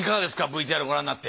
ＶＴＲご覧になって。